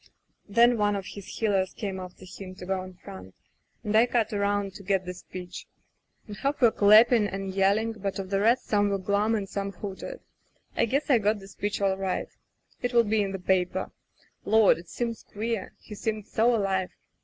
"Then one of his heelers came after him to go in front, and I cut around to get the [ 221 ] Digitized by LjOOQ IC Interventions speech. And half were clapping and yelling, but of the rest some were glum and some hooted. ... I guess I got the speech all right. It'll be in the paper. ... Lord! it seems queer! He seemed so alive.